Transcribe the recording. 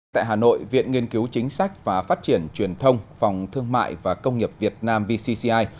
tại hà nội viện nghiên cứu chính sách và phát triển truyền thông phòng thương mại và công nghiệp việt nam vcci